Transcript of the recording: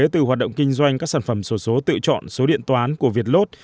từ hoạt động kinh doanh các sản phẩm sổ số tự chọn số điện toán của việt lốt